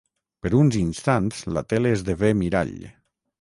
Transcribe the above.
Per uns instants la tele esdevé mirall.